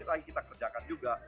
itu lagi kita kerjakan juga